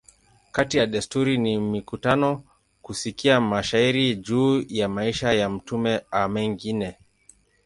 Kati ya desturi ni mikutano, kusikia mashairi juu ya maisha ya mtume a mengine.